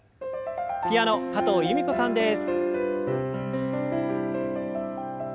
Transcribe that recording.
ピアノ加藤由美子さんです。